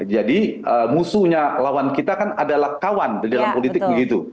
jadi musuhnya lawan kita kan adalah kawan dalam politik begitu